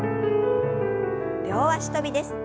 両足跳びです。